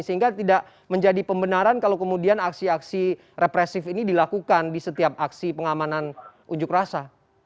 sehingga tidak menjadi pembenaran kalau kemudian aksi aksi represif ini dilakukan di setiap aksi pengamanan unjuk rasa